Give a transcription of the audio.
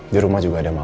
di rumah juga ada andien